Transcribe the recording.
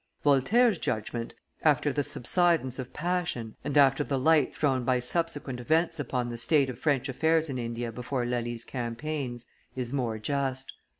Voltaire's judgment, after the subsidence of passion and after the light thrown by subsequent events upon the state of French affairs in India before Lally's campaigns, is more just.